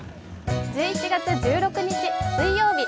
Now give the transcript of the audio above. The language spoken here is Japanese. １１月１６日水曜日。